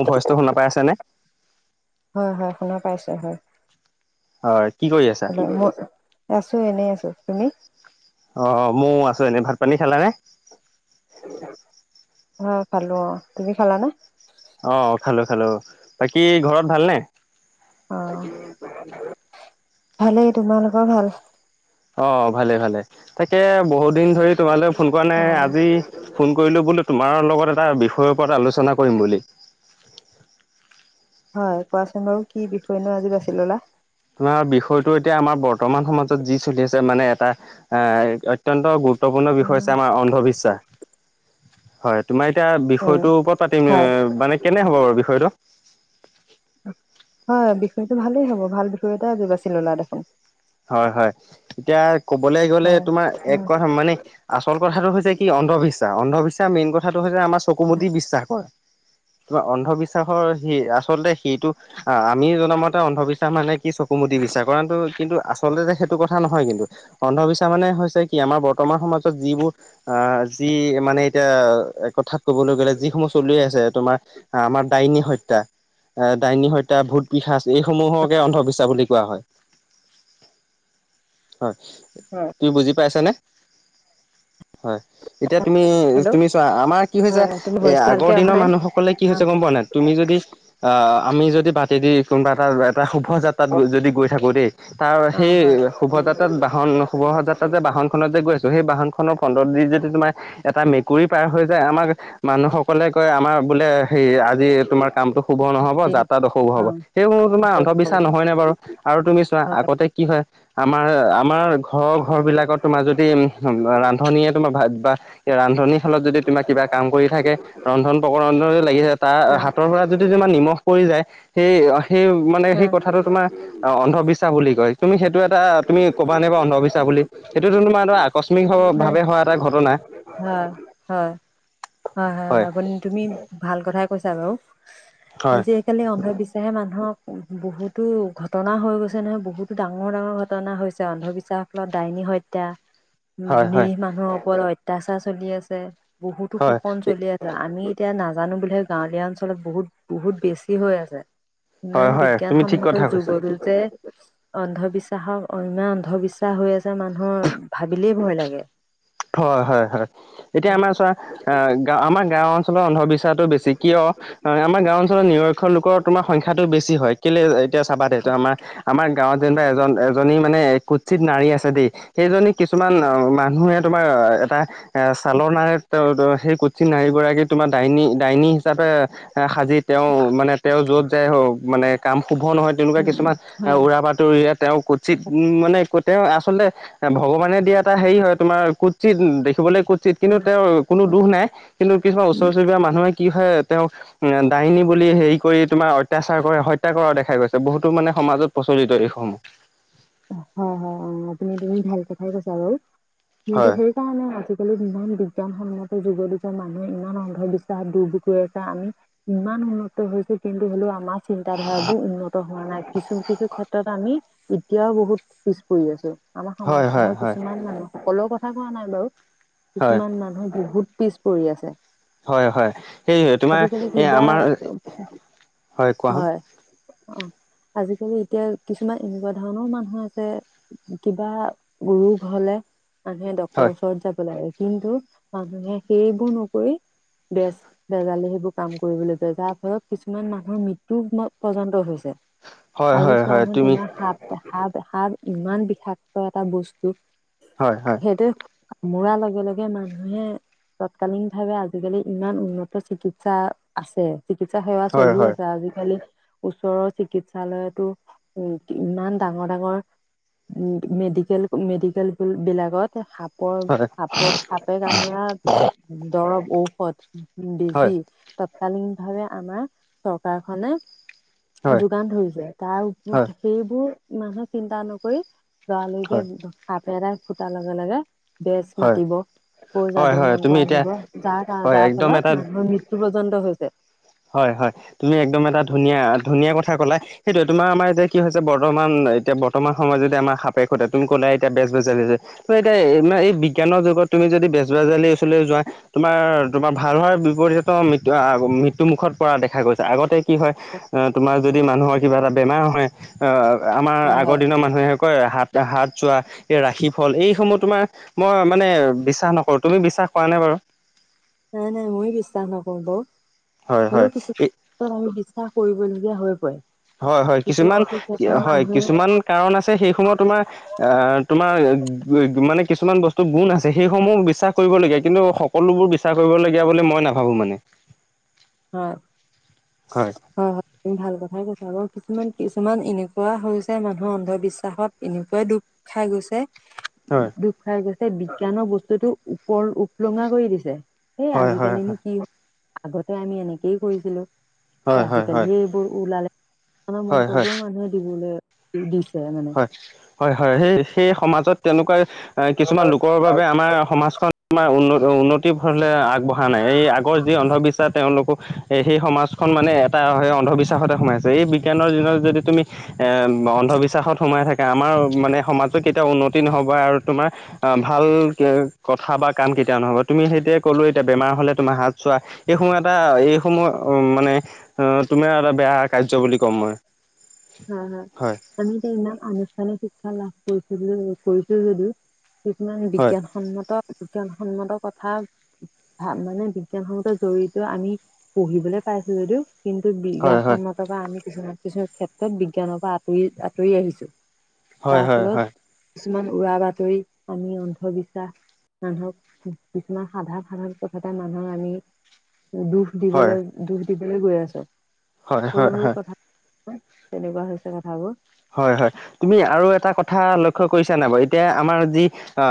মোৰ ভইচটো শুনা পাই আছেনে? হয়-হয় শুনা পাইছো হয়। হয়। কি কৰি আছে? মই আছো এনেই আছো তুমি। অ, ময়ো আছো এনে, ভাত পানী খালা নে? অ, খালো। তুমি খালাানে? অ, খালো-খালো বাকী ঘৰত ভালনে? অ, ভালেই। তোমালোকৰ ভাল? অ, ভালে- ভালে তাকে বহুত দিন ধৰি তোমালৈ ফোন কৰা অ নাই আজি ফোন, কৰিলো বুলি তোমাৰ লগত এটা বিষয়ৰ ওপৰত আলোচনা কৰিম বুলি? হয় কোৱাচোন বাৰু কি বিষয়নো আজি বাচি ললা। তোমাৰ বিষয়টো এতিয়া আমাৰ বৰ্তমান সমাজত যি চলি আছে মানে এটা এ অত্যন্ত গুৰুত্বপূৰ্ণ বিষয় উম হৈছে আমাৰ অন্ধবিশ্বাস। হয়, তোমাৰ এতিয়া বিষয়টোৰ ওপৰত পাতিম হয় মানে কেনে হ'ব বাৰু বিষয়টো। হয়, বিষয়টো ভালেই হ'ব ভাল বিষয় এটা যোগাছিল ললা দেখোন। হয়-হয় এতিয়া কবলৈ গ'লে হয় তোমাৰ এক উম কথা মানে, আচল কথাটো হৈছে কি অন্ধবিশ্বাস অন্ধবিশ্বাস মেইন কথাটো হৈছে আমাৰ চকু মুদি বিশ্বাসৰ তোমাৰ অন্ধবিশ্বাসৰ সি আচলতে সেইটো। অ আমি জনামতে অন্ধবিশ্বাস মানে কি চকু মুদ বিচাৰ কাৰণটো কিন্তু আচলতে সেইটো কথা নহয় কিন্তু অন্ধবিশ্বাস মানে হৈছে কি আমাৰ বৰ্তমান সমাজত যিবোৰ আহ, যি মানে এতিয়া কথাত কবলে গ'লে যিসমূহ চলি আছে তোমাৰ। আমাৰ ডাইনী হত্যা, ডাইনী হত্যা ভূত, পিসাচ এইসমূহকে অন্ধবিশ্বাস বুলি কোৱা হয়-হয়। হয়। তুমি বুজি পাইছা নে? হয়, এতিয়া তুমি, হেল্ল' তুমি চোৱা আমাৰ কি হৈছে হয় তুমি এ ভইচটো আগৰ ভালকে অহা দিনৰ নাই মানুহসকলে কি হৈছে অ গম পোৱা নাই, তুমি যদি আ আমি যদি বাতে দি কোনোবা এটা, এটা শুভ যাত্ৰাত যদি গৈ থাকো দেই। তাৰ অ সেই হয় শুভ যাত্ৰাত বাহন শুভ যাত্ৰা তাত যে বাহনত যে গৈছোঁ, সেই বাহখনৰ পন্দৰ দি যদি তোমাৰ এটা মেকুৰী পাৰ হৈ যায় আমাৰ, মানুহসকলে কয় আমাৰ বোলে সেই আজি তোমাৰ কামটো শুভ নহব দিন যাত্ৰাত অশুভ অ হব, সেইবোৰ তোমাৰ আকৌ হয় অন্ধবিশ্বাস নহয়নে বাৰু। আৰু তুমি চোৱা, হয় আগতে কি হয়, আমাৰ আমাৰ ঘৰৰ ঘৰ বিলাকত তোমাৰ যদি, ৰান্ধনীয়ে তোমাৰ ভাত বা- ৰান্ধনীৰশালত যদি তোমাৰ কিবা কাম কৰি থাকে। ৰন্ধন প্ৰকৰ ৰন্ধন লাগিছে, তাৰ হয় হাতৰ পৰা যদি যমান নিমখ পৰি যায়। সেই, সেই মানে সেই হয় কথাটো তোমাৰ অন্ধবিশ্বাস বুলি কয় তুমি, সেইটো এটা তুমি ক'বা নে বাৰু অন্ধবি্বাস বুলি? সেইটো তোমাৰ আকস্মিক ভাৱে হোৱা এটা ঘটনা। হয়, হয়, হয় হয় আপুনি তুমি ভাল কথাই কৈছা বাৰু, হয় জি আজিকালি অন্ধবিশ্বাসে মানুহক, বহুতো ঘটনা হৈ গৈছে নহয়, বহুতো ডাঙৰ ডাঙৰ ঘ ঘটনা হৈছে অন্ধবিশ্বাস ফত ডাইনী হত্যা, হয় নি হয় মানুহৰ ওপৰত হত্ তাচা চলি আছে, বহুতো হয় শোষণ চলি আছে। আমি এতিয়া নাজানো বুলিহে, গাঁৱলীয়া অঞ্চলত বহুত, বহুত বেছি হৈ আছে। হয় ইমান হয় তুমি ঠিক বিজ্ঞানসন্মত কথা কৈছা যুগতো যে, অন্ধবিশ্বাস াহক ইমান অন্ধবিশ্বাস হৈ আছে, মানুহৰ ভাবিলেই ভয় লাগে। হয় হয় হয়, এতিয়া আমাৰ চোৱা, গ আমাৰ গাঁও অঞ্চলৰ অন্ধবিশ্বাস াতটো বেছি কিয়, আমাৰ গাওঁ অঞ্চলত নিৰক্ষৰ লোকৰ তোমাৰ সংখ্য্াটো বেছি হয়। কেলে এতিয়া চাবা দে আমাৰ, আমাৰ গাঁৱত যেনিবা এজন এজনী মানে, কুৎিত নাৰী আছে দেই। সেইজনী কিছুমান মানুহে তোমাৰ এটা এ ছালৰ নাৰ সেই কুঠিন নাৰী গৰাকী তোমাৰ ডাইনী, ডাইনী হিচাপে সাজি তেওঁ মানে তেওঁ যত যাই মানে কাম শুভ নহয়, তেনেকুৱা উম কিছুমান এ হয় উৰা বাট তৰি তেওঁ কুচিত মানে তেওঁ আচলতে, ভগৱানে দিয়া এটা হেৰি হয়, তোমাৰ কুটচিত, দেখিবলৈ কুতচিত, কিন্তু তেওঁৰ কোনো দুখ নাই, কিন্তু কিছুমান ওচৰ চুবুৰীয়া মানুহে কি হয় তেওঁক দাইনী বুলি হেৰি কৰি তোমাৰ অত্যাচাৰ কৰে হত্যা কৰা দেখা গৈছে, বহুতো মানে সমাজত প্ৰচলিত এইসমূহ। হয় হয়, অ' আপুনি তুমি ভাল কথাই কৈছা বাৰু, কিন্ত্ত হয় সেই তণে আজিকালি ইমান বিজ্ঞানসন্মত যুগত যে মানুহে ইমান অন্ধবিশ্বাস দুুৰৰ্বখ হৈ আছে, আমি ইমান উন্নত হৈছে, কিন্তু হ'লেও আমাৰ চিন্তাধাৰাবোৰ উন্নত হোৱা নাই, কিছো কিছো ক্ষেত্ৰত আমি এতিয়াও বহুত, পিছ পৰি আছো, আমাৰ হয় হয় সমাজখনৰ হয় কিছুমান মানুহ সকলো কথা কোৱা নাই বাৰু। হয় কিছুমান মানুহ বহুত পিছ পৰি আছে। হয় হয়, সেই তোমাৰ, আজিকালি এই কিবা আমাৰ, হয় কোৱা হয়। অ', আজিকালি এতিয়া কিছুমান এনেকুৱা ধণৰ মানুহ আছে, কিবা ৰোগ হলে মানুহে ড্ক্তৰৰ হয় ওচৰত যাব লাগে, কিন্তু মানুহে সেইবোৰ নকৰি, বস্ত বেজালে সেইবোৰ কাম কৰিবলৈ যায় যাৰ ফলত কিছুমান মানুহৰ মৃত্যু পৰ্যন্ত হৈছে। হয় আজি হয় হয় চোৱাচোন তুমি তোমাৰ সাপ, সাপ, সাপ ইমান বিষাক্ত এটা বস্তু। হয় হয়। সেইটো, মোৰা লগে লগে মানুহে তৎকালীন ভাৱে আজিকালি ইমান উন্নত চিকিৎসা, আছে। চিকিৎসা সেৱা হয় চলি হয় আছে, আজিকালি, ওচৰৰ চিকিৎসালয়তো উ ইমান ডাঙৰ ডাঙৰ, মেডিকেল, মেডিকেল বিলাকত ৰ হয় হয় সাপৰ সাপে কামোৰা, দৰৱ, ঔষধ হয় বেজি। তৎকালীনভাৱে আমাৰ চৰকাৰখনে হয় যোগান ধৰিছে, তাৰ হয় সেইবোৰ মানুহে চিন্তা নকৰি লৰালৰিকে হাতেৰে ফুটাৰ লগে লগে বেজ হয় মাতিব, আকৌ হয় যাদু হয় তুমি মন্তটো এতিয়া আনিব, যাৰ হয় যাৰ একদম এটা ফলত মানুহ মৃত তো পৰ্যন্ত হৈছে। হয় হয়, তুমি একদম এটা ধুনীয়া ধুনীয়া কথা ক'লা। সেইটোৱে তোমাৰ আমাৰ এতিয়া কি হৈছে বৰ্তমান এতিয়া বৰ্তমান সময়ত যদি আমাৰ সাপে খুতে তুলি কলৈ এতিয়া বেজ বেজিছে ত' এতিয়া এই বিজ্ঞানৰ যুগত তুমি যদি বেজবজালিৰ ওচৰলৈ যোৱা তোমাৰ তোমাৰ ভাল হোৱাৰ বিপৰীত আ, মিত টো মুখত পৰা দেখা গৈছে, আগতে কি হয় তোমাৰ যদি মানুহৰ কিবা এটা বেমাৰ হয় আমাৰ হয় আগৰ হয় দিনৰ মানুহে কয় হাত হাত যোৱা, এই ৰাখি ফল এইসমূহ তোমাৰ মই মানে বিশ্বাস নকৰোঁ। তুমি বিশ্বাস কৰানা বাৰু? নাই নাই ময়ো বিশ্বাস নকৰোঁ বাৰু, হয় হয় হলেও কিছু এই আমি বিশ্বাস কৰিবলগীয়া হৈ পৰে। হয় হয়, কিছু কিছুমান কিছু ক্ষেত্ৰত হয়, মানুহে কিছুমান কাৰণ আছে সেই সময়ত তোমাৰ আ, তোমাৰ মানে কিছুমান বস্তুৰ গুণ আছে সেইসমূহ বিশ্বাস কৰিবলগীয়া কিন্তু সকলোবোৰ বিশ্বাস কৰিবলগীয়া বুলি মই নাভাবোঁ মানে। হয়। হয়। হয় হয়, তুমি ভাল কথাই কৈছা, বাৰু কিছুমান কিছুমান এনেকুৱা হৈছে মানুহৰ অন্ধবিশ্বাসত এনেকুৱাই দুখ খাই গৈছে হয়। দুখ খাই গৈছে, বিজ্ঞানৰ বস্তুটো উপলঙা কৰি দিছে, সেই হয় হয় আজিকালিনো হয় কি কয় আমি এনেকেই কৰিছিলোঁ, হয় হয় হয় আজিকালিহে এইবোৰ ওলালে। আৰু হয় হয় মন্তব্যও মানুহে দিবলৈ দিছে মানে। হয় হয় হয়, সেই সেই সমাজত তেনেকুৱা কিছুমান লোকৰ বাবে আমাৰ সমাজখন উন্ন উন্নতি ভৰলে আগবঢ়া নাই, এই আগৰ যি অন্ধবিশ্ব তেওঁলোকো সেই সমাজখন মানে এটা অন্ধবিশ্বাসতে সোমাইছে, এই বিজ্ঞানৰ দিনত যদি তুমি এ, অন্ধবিশ্বাসত সোমাই থাকে, আমাৰ মানে সমাজত কেতিয়াও উন্নতি নহ'ব আৰু তোমাৰ অ' ভাল কথা বা কাম কেতিয়াও নহ'ব, তুমি সেইটোয়ে ক'লো এতিয়া বেমাৰ হ'লে তোমাৰ হাত চোৱা এইসমূয়হ এটা এইসমূহ মানে অ' তুমাৰ এটা বেয়া কাৰ্য বুলি ক'ম মই। হয় হয়, আমি এতিয়া আনুষ্ঠানিক শিক্ষা লাভ কৰিছিলোঁ কৰিছোঁ যদিও কিছুমান হয় বিজ্ঞানসন্মত, বিজ্ঞানসন্মত কথা ভা মানে বিজ্ঞান সন্মত জৰিয়তে আমি পঢ়িবলে পাইছোঁ যদিও কিন্তু হয় হয় বিজ্ঞানসন্মতৰপৰা আমি কিছুমান কিছু ক্ষেত্ৰত বিজ্ঞানৰপৰা আঁতৰি আঁতৰি আহিছোঁ। হয় হয় তাৰফলত হয় কিছুমান উৰা বাতৰি, আমি অন্ধবিশ্বাস মানুহক কিছুমান সাধাৰণ সাধাৰণ কথাতে মানুহক আমি দুখ হয় দিবলৈ দুখ দিবলৈ গৈ আছোঁ। হয়, হয়, হয়। তেনেকুৱা হৈছে কথাবোৰ। হয় হয়, তুমি আৰু এটা কথা লক্ষ্য কৰিছা নাই বাৰু, এতিয়া আমাৰ যি আ,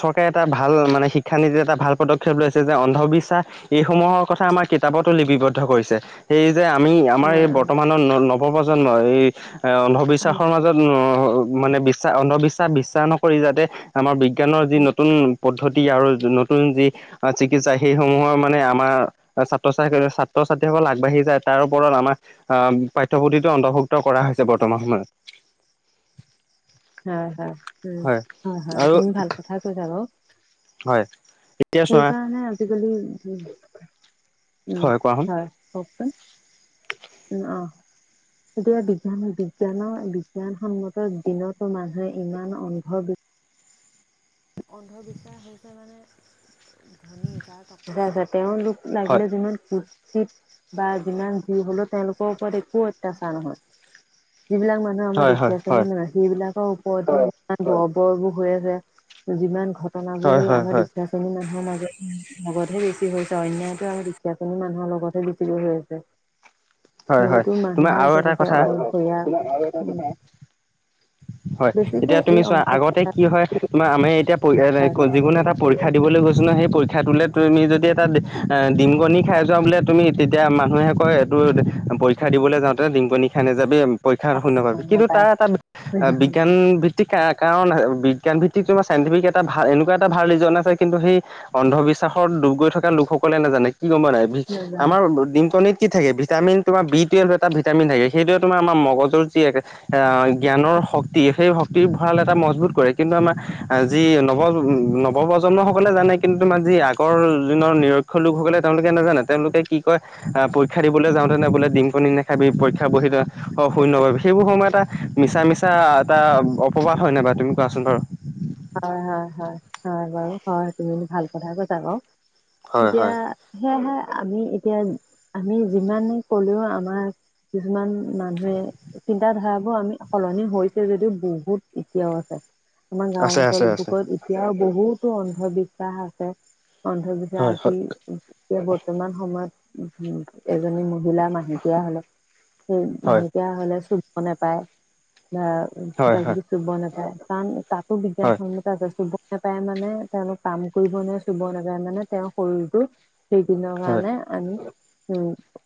চৰকাৰে এটা ভাল মানে শিক্ষানীতি এটা ভাল পদক্ষেপ লৈছে যে অন্ধবিশ্বাস এইসমূহৰ কথা আমাৰ কিতাপতো লিপিবদ্ধ কৰিছে। সেই যে আমি আমাৰ এই হয় বৰ্তমানৰ ন-নৱপ্ৰজন্ম এই বিশ্বাসৰ মাজত মানে বিশ্বাস, অন্ধবিশ্বাস বিশ্বাস নকৰি যাতে আমাৰ বি বিজ্ঞানৰ যি নতুন পদ্ধতি আৰু নতুন যি চিকিৎসা সেইসমূহৰ মানে আমাৰ ছাত্ৰ ছাত্ৰী, ছাত্ৰ ছাত্ৰীসকল আগবাঢ়ি যায় তাৰ ওপৰত আমাৰ আ, পাঠ্যপুথিটো অন্তৰ্ভুক্ত কৰা হৈছে বৰ্তমান সময়ত। হয় হয়, উ, হয় হয়, আৰু তুমি ভাল কথাই কৈছা বাৰু। হয়। এতিয়া চোৱা সেইকাৰণে আজিকালি উ উম হয় কোৱাচোন হয় কওকচোন। উম, অ'। এতিয়া বিজ্ঞান বিজ্ঞানৰ বিজ্ঞানসন্মত দিনতো মানুহে ইমান অন্ধবিশ্বাস অন্ধবিশ্বাস হৈছে মানে ধনী যাৰ চা আছে তেওঁলোক হয় লাগিলে যিমান কুচিৎ বা যিমান যি হলেও তেওঁলোকৰ ওপৰত একো অত্যাচাৰ নহয় যিবিলাক মানুহ আমাৰ হয় হয় দুখীয়া শ্ৰেণীৰ হয় সেইবিলাকৰ ওপৰত দৰ বৰবোৰ হৈ আছে যিমান ঘটনাবোৰ হয় হয় হৈ হয় আমাৰ হয় দুখীয়া ধনী মানুহৰ মাজ লগতহে বেছি হৈছে অন্যায়তো আমাৰ দুখীয়া শ্ৰেণীৰ মানুহৰ লগতহে বেছিকৈ হৈ আছে। হয়, হয় তোমাৰ আৰু এটা কথা স [unintelligible] হয় এতিয়া তুমি এই চোৱা অঞ্চল আগতে কি হয় ম আমি এতিয়া প যিকোনো এটা পৰীক্ষা দিবলৈ গৈছো ন সেই পৰীক্ষা খাই তোলে তুমি যদি এটা ডিমগনি খাই যোৱা বোলে তুমি তেতিয়া মানুহে কয় এইটো শিক্ষা দিবলৈ যাওঁতে ডিংপনি খাই না যাবি পৰীক্ষা শূন্য পাববি কিন্তুাৰ নাপায় এটা বিজ্ঞান নাজানো ভ কাৰণ বিজ্ঞান ভিত্তিক তোমাৰ ছাইণ্টিফিক এটা ভাল এনেকুৱা এটা ভাল ৰিজন আছে কিন্তু সেই অন্ধবিশ্বাসত ডুব গৈ থকা লোকসকলে নাজানে কি গ'ম নাই আমাৰ ডিমকনিত কি থাকে ভিটামিন তোমাৰ বি টুৱেলভ এটা ভিটামিন থাকে সেইটোয়ে তোমাৰ আমাৰ মগজৰ যি এক জ্ঞানৰ শক্তি সেই শক্তিৰ ভঁৰা়ল এটা মজবুত কৰে কিন্তু আমাৰ যি নৱ নৱপ্ৰজন্মসকলে জানে কিন্তু যি আগৰ দিনৰ নিৰক্ষৰ লোকসকলে তেওঁলোকে নাজানে তেওঁলোকে কি কয় আহ পৰীক্ষা দিবলৈ যাওঁতেনে বোলে ডিম কণী নাখাবি পৰীক্ষা বহি শূন্য বাবোৱ সেইবোৰ সময়ত এটা মিছা মিছা এটা অপবাস হয় নাই তুমি কোৱাচোন বাৰু হয়, হয়, হয়, হয় বাৰু হয় তুমি ভাল কথা কতা ক হয় এতিয়া হয় সেয়েহে আমি এতিয়া আমি যিমানে কলেও আমাৰ কিছুমান মানুহে চিন্ত ধাৰাবোৰ আমি সলনি হৈছে যদিও বহুত এতিয়াও আছে আমাৰ আছে গাঁৱত। আছে আছে এতিয়াও বহুতো অন্ধবিশ্বাস আছে অন্ধবিশ্বাস হয় আজি হয় এতিয়া বৰ্তমান সময়ত এজনী মহিলা মাহেকীয়া হলে সেই হয় মাহেকীয়া হলে চুবিব নোপায় বা হয় কিবাক হয় চুব নাপায় তান তাতো হয় বিজ্ঞানসন্মতা আছে চুব নাপায় মানে তেওঁলোক কাম কৰিব ন চুব নাপায় মানে তেওঁৰ শৰীৰটো সেইদিনৰ হয় কাৰণে আমি উ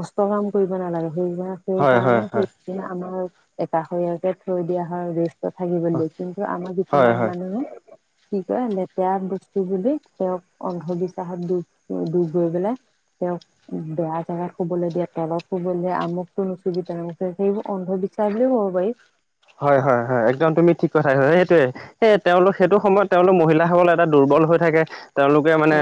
কষ্ট কাম কৰিব নালাগে সেই সেই হয় হয় কাৰণে হয় সেইদ আমাৰ একাষৰীয়াকে থৈ দিয়া হয় উদ্দেশ্য থাকিব হয় দিয় কিন্তু আমাৰ কিছুমান মানুহে [inaudible] কি কয় লেতেৰা বস্তু বুলি তেওঁক অন্ধবিশ্বাসত দুখ দখ গৈ পেলাই তেওঁক বেয়া জাগাত শুবলৈ দিয়ে তলত শুবলৈ আমুকতটো নুচুবিু সেইবোৰ অন্ধবিচাৰ বুলিও ক'ব পাৰি হয়, হয় হয় একদম তুমি ঠিক কথাইছা সেইটোৱে এ তেওঁলোক সেইটো সময়ত তেওঁলোক মহিলাসকল এটা দুৰ্বল হৈ থাকে। তেওঁলোকে মানে অ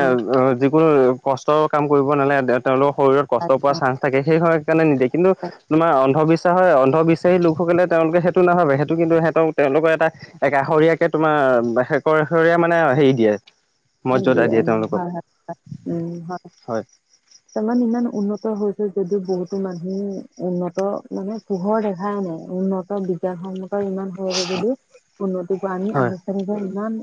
যিকোনো কষ্টৰ কাম কৰিব নালাগে তেওঁলোকৰ শৰীৰত কষ্ট পোৱাৰ একদম। চাস্ন থাকে সেই সম কাৰণে নিদিয়ে কিন্তু তোমাৰ অন্ধবিশ্বাস হয় অন্ধবিশ্বাসী লোকসকলে তেওঁলোকেই টো নাভাবে সেইটো কিন্তু সিহঁতক তেওঁলোকৰ এটা একষৰীয়াকে তোমাৰ শেৰ শেষৰীয়া মানে হেৰি দিয়ে। মৰ্যদা দিয়ে তেওঁলোকক হয় হয় হয়। ইমান ইমান উন্নত হৈছে যদিও বহুতো মানুহে উন্নত মানে পোহৰ দেখাই নাই উন্নত বিজ্ঞান সন্মত ইমান যদি উন্নতি কৰা আমি হয় আনুষ্ঠানিকৰ ইমান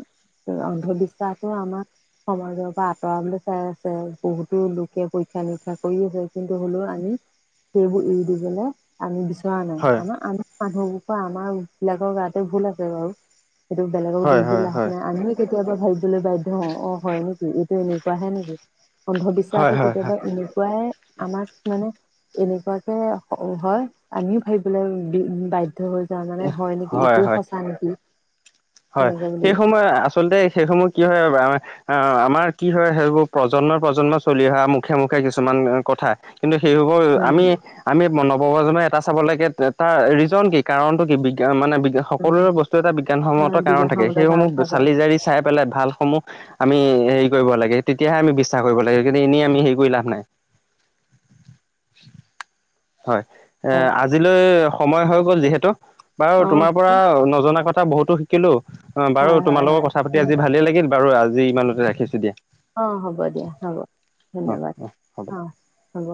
অন্ধবিশ্বাসো আমাক সমাজৰ পৰা আঁতৰাবলৈ চাই আছে বহুতো লোকে পৰীক্ষা নিৰীক্ষা কৰি আছে কিন্তু হ'লেও আমি সেইবোৰ এৰি দি বলে আমি বিচৰা নাই, হয় আমাৰ আমাৰ মানুহবোৰ পৰা আমাৰ বিলাকৰ গাতে ভুল আছে বাৰু। সেইটো বেলেগকো হয় দুখ দি হয় লাভ হয় নাই। আমিও কেতিয়াবা ভ বাধ্য হও, অ হয় নেকি? এইটো এনেকুৱ হে নেকি? হয় অন্ধবিশ্বাসটো হয় হয় কেতিয়াবা এনে কুৱাই আমাক মানে এনেকুৱাকে হয় আমিও ভাবিবলৈ বাধ্য হৈ মানে হয় নেকি? এইটোয়ে সঁচা নেকি? হয় তেনেকে বুলি সেই সময় আচলতে সেই সময় কি হয় আহ আমাৰ কি হয় সেইবোৰ প্ৰজন্ম প্ৰজন্ম চলি অহা মুখে মুখে কিছুমান কথা কিন্তু সেইবোৰ আমি উম আমি নৱপ্ৰজই এটা চাব লাগে তাৰ ৰিজন কি? কাৰণটো কি? বিজ্ঞান মানে উম সকলোৰে বস্তু এটা বিজ্ঞানসন্মত বিঘা কাৰণ থাকে, খামতৰ গান সেইসমূহ থাকে চালি জাৰি চাই পেলাই ভালসমূহ আমি হেৰি কৰিব লাগে, তেতিয়াহে আমি বিশ্বাস কৰিব লাগে। কিন্তু এনেই আমি হেৰি কৰি লাভ নাই। হয় এ হয় আজিলৈ সময় হৈ গ'ল যিহেতু বাৰু অ তোমাৰ পৰা নজনা কথা বহুতো শিকিলো, অ বাৰু হয় হয় তোমাৰাল লগৰ হয় কথা পাতি আজি ভালেই লাগিল, বাৰু আজি ইমানতে ৰাখিছো দিয়া। অ হ'ব দিয়া হ'ব, অ ধন্যবাদ হ'ব অ হ'ব।